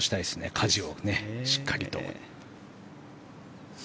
かじを、しっかりとね。